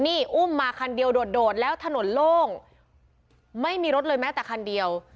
นี่อุ้มมาคันเดียวโดดโดดแล้วถนนโล่งไม่มีรถเลยแม้แต่คันเดียว